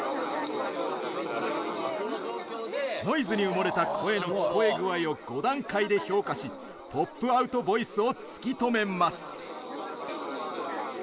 ノイズに埋もれた声の聞こえ具合を５段階で評価しポップアウトボイスを突き止めます。